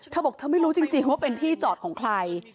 เธอบอกเธอไม่รู้จริงว่าเป็นที่จอดของใคร